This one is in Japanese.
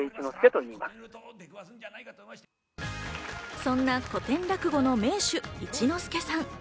そんな古典落語の名手・一之輔さん。